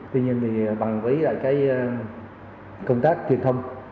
tuy nhiên bằng với công tác truyền thông